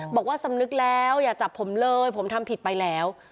บอกว่าสำนึกแล้วอย่าจับผมเลยผมทำผิดไปแล้ว